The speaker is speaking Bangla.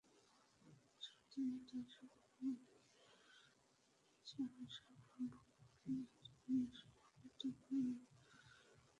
যতীন দাস আরো বলেন, সে নিজে অনশন আরম্ভ করলে যতদিন না সরকার দাবী মেনে না নেয়, ততদিন অনশন চালিয়ে যাবে।